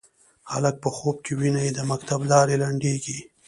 هلک په خوب کې ویني د مکتب لارې لنډیږې